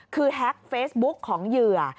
คือแฮ็กเฟซบุ๊กของเหยื่อ